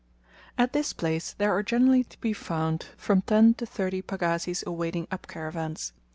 At this place there are generally to be found from ten to thirty pagazis awaiting up caravans.